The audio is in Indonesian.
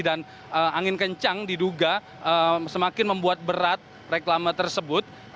dan angin kencang diduga semakin membuat berat reklame tersebut